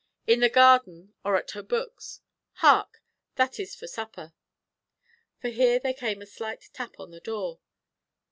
In the garden or at her books, hark! that is for supper." For here there came a slight tap on the door.